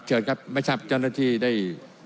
เชิญครับหมายชาติท่านหน้าที่ได้